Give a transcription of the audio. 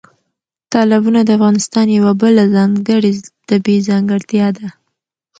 تالابونه د افغانستان یوه بله ځانګړې طبیعي ځانګړتیا ده.